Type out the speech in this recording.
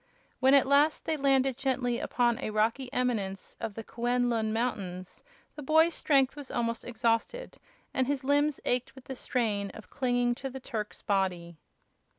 When, at last, they landed gently upon a rocky eminence of the Kuen Lun mountains, the boy's strength was almost exhausted, and his limbs ached with the strain of clinging to the Turk's body.